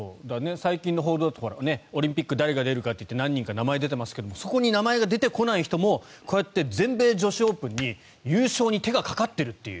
最近の報道だとオリンピック誰が出るかって名前が何人か出ていますがそこに名前が出てこない人もこうやって全米女子オープンの優勝に手がかかっているという。